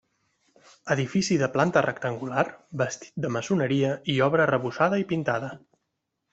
Edifici de planta rectangular, bastit de maçoneria i obra arrebossada i pintada.